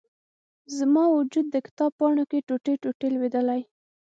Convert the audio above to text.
زما و جود، د کتاب پاڼو کې، ټوټي، ټوټي لویدلي